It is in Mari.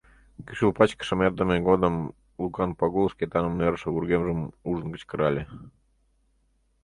Кӱшыл пачкышым эртыме годым Лукан Пагул Шкетанын нӧрышӧ вургемжым ужын кычкырале: